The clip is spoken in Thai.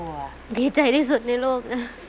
วิธีใจที่สุดในโลก